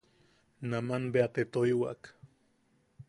Naman bea te toiwak.